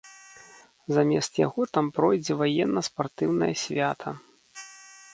Замест яго там пройдзе ваенна-спартыўнае свята.